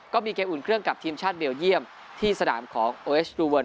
ก็มีเกมอุ่นเครื่องกับทีมชาติเบลเยี่ยมที่สนามของเอสลูเวิร์น